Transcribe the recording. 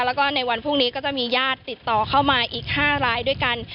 แล้วก็ในวันพรุ่งนี้ก็จะมีญาติติดต่อเข้ามาอีก๕รายด้วยกัน